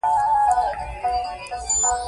کوچنۍ لوڼي ډېري ګراني وي.